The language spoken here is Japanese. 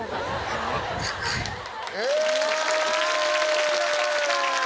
面白かった。